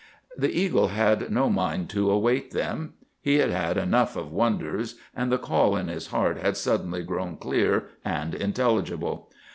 The eagle had no mind to await them. He had had enough of wonders, and the call in his heart had suddenly grown clear and intelligible.